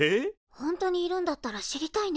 本当にいるんだったら知りたいね